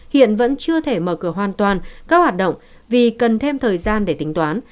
hiện vẫn chưa thể mở cửa hoàn toàn các hoạt động vì cần thêm thời gian để tính toán